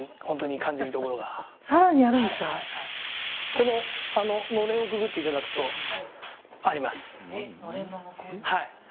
こののれんをくぐっていただくとあります。